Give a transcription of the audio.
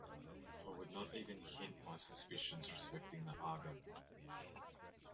I would not even hint my suspicions respecting the Aga.